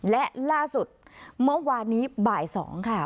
และล่าสุดเมื่อวานนี้บ่าย๒ค่ะ